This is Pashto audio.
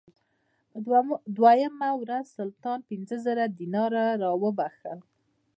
په دوهمه ورځ سلطان پنځه زره دیناره راوبخښل.